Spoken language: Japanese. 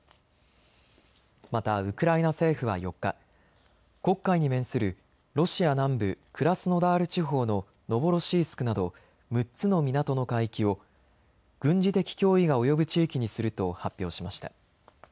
またウクライナ政府は４日、黒海に面するロシア南部クラスノダール地方のノボロシースクなど６つの港の海域を軍事的脅威が及ぶ地域にすると発表しました。